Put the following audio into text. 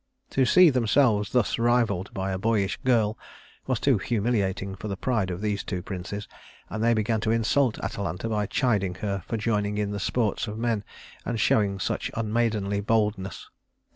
To see themselves thus rivaled by a boyish girl was too humiliating for the pride of these two princes; and they began to insult Atalanta by chiding her for joining in the sports of men, and showing such unmaidenly boldness.